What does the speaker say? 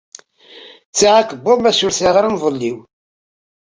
Sεiɣ akebbuḍ, maca ur sεiɣ ara amḍelliw.